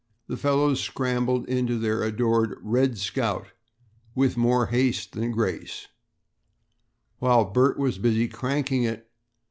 The fellows scrambled into their adored "Red Scout" with more haste than grace, while Bert was busy cranking it.